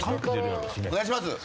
お願いします。